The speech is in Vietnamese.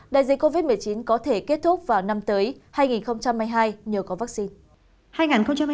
đại dịch covid một mươi chín có thể kết thúc vào năm tới hai nghìn hai mươi hai nhờ có vaccine